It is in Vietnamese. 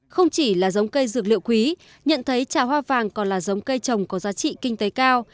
không chỉ là giống cây dược liệu quý nhận thấy trà hoa vàng còn là giống cây trồng có giá trị kinh tế cao